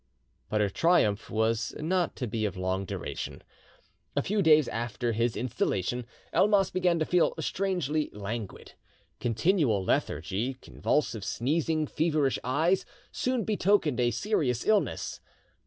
But her triumph was not to be of long duration. A few days after his installation, Elmas began to feel strangely languid. Continual lethargy, convulsive sneezing, feverish eyes, soon betokened a serious illness.